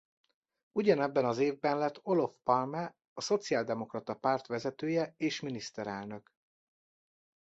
Ugyanebben az évben lett Olof Palme a szociáldemokrata párt vezetője és miniszterelnök.